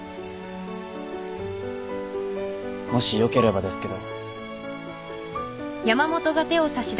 もしよければですけど。